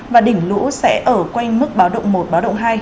và đỉnh lũ sẽ ở quanh mức báo động một báo động hai